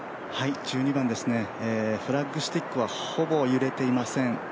フラッグスティックはほぼ揺れていません。